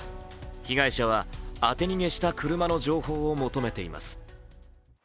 被害者は当て逃げした車の情報を求めています。